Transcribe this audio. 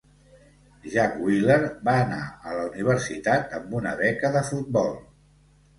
Jack Wheeler va anar a la universitat amb una beca de futbol.